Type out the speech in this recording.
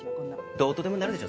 どうとでもなるでしょ